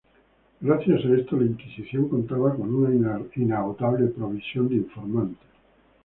Gracias a esto la Inquisición contaba con una inagotable provisión de informantes.